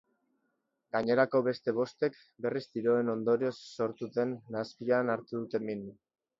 Gainerako beste bostek, berriz, tiroen ondorioz sortu den nahaspilan hartu dute min.